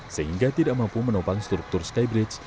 sehingga tidak mampu menopang struktur skybridge